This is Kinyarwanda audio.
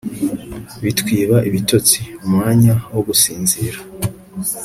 bitwiba ibitotsi, umwanya wo gusinzira